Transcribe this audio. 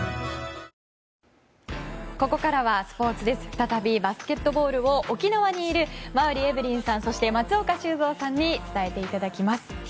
再びバスケットボールを沖縄にいる馬瓜エブリンさんそして松岡修造さんに伝えていただきます。